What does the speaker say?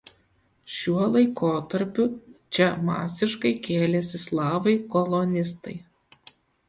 Šiuo laikotarpiu čia masiškai kėlėsi slavai kolonistai.